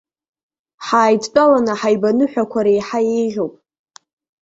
Ҳааидтәаланы ҳаибаныҳәақәар еиҳа еиӷьуп.